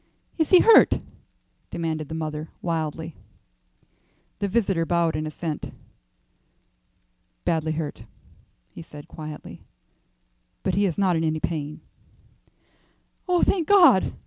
"Is he hurt?" demanded the mother, wildly. The visitor bowed in assent. "Badly hurt," he said, quietly, "but he is not in any pain." "Oh, thank God!"